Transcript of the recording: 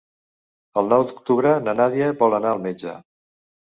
El nou d'octubre na Nàdia vol anar al metge.